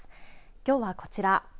きょうはこちら。